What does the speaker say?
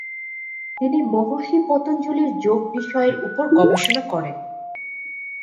তিনি 'মহর্ষি পতঞ্জলি’র যোগ বিষয়ের উপর গবেষণা করেন।